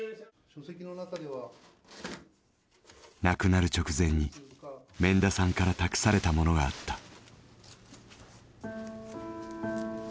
亡くなる直前に免田さんから託されたものがあった。